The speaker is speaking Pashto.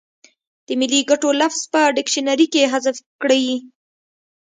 د ملي ګټو لفظ په ډکشنري کې حذف کړي.